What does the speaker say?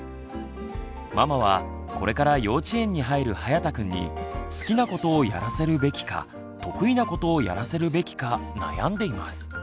ママはこれから幼稚園に入るはやたくんに好きなことをやらせるべきか得意なことをやらせるべきか悩んでいます。